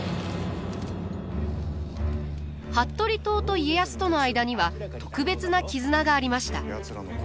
服部党と家康との間には特別な絆がありました。